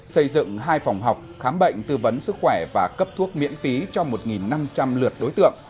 xây dựng hai phòng học khám bệnh tư vấn sức khỏe và cấp thuốc miễn phí cho một năm trăm linh lượt đối tượng